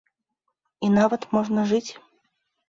І нават можна жыць.